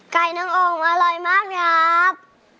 ไก่น้ำองอร่อยมากครับ